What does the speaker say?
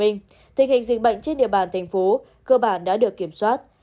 tình hình dịch bệnh trên địa bàn tp hcm cơ bản đã được kiểm soát